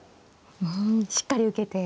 うんしっかり受けて。